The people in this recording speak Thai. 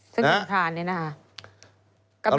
ซึ่งผู้ถ่านเนี่ยนะฮะ